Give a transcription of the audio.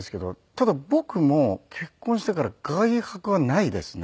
ただ僕も結婚してから外泊はないですね。